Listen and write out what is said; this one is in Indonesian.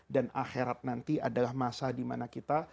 dan akhirat nanti adalah masa dimana kita